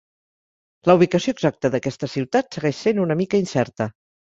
La ubicació exacta d'aquesta ciutat segueix sent una mica incerta.